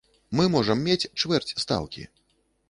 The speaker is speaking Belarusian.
Мы можам мець чвэрць стаўкі.